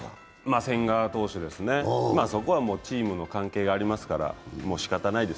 千賀投手ですね、そこはチームの関係がありますからもうしかたないです。